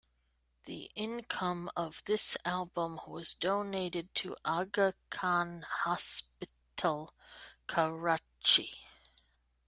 The income of this album was donated to Aga Khan Hospital, Karachi.